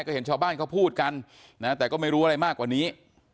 ก็เห็นชาวบ้านเขาพูดกันนะแต่ก็ไม่รู้อะไรมากกว่านี้